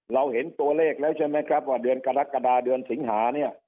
เราเห็นตัวเลขแล้วใช่ไหมครับว่าเดือนกรกฎาเดือนสิงหาเนี่ย